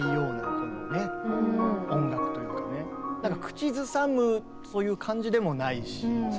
口ずさむという感じでもないし。